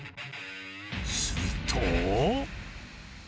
すると。